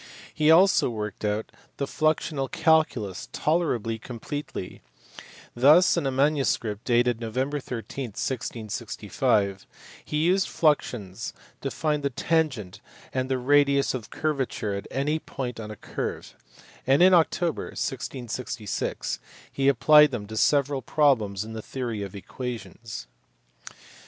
He also worked out the fluxional calculus tolerably completely : thus in a manuscript dated Nov. 13, 1665, he used fluxions to find the tangent and the radius of curvature at any point on a curve, and in October, 1666, he applied them to several problems in the theory of equations.